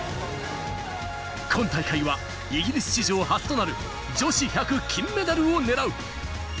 今大会はイギリス史上初となる女子１００ｍ金メダルをねらう。